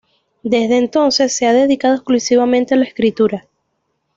Desde entonces, se ha dedicado exclusivamente a la escritura.